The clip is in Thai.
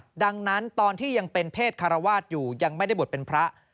ดังนั้นตอนที่ยังเป็นเพศคารวาสอยู่ยังไม่ได้บวชเป็นพระ